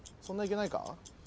そんないけないか？